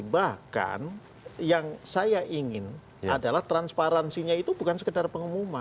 bahkan yang saya ingin adalah transparansinya itu bukan sekedar pengumuman